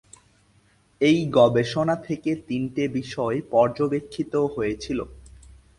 এই গবেষণা থেকে তিনটে বিষয় পর্যবেক্ষিত হয়েছিল।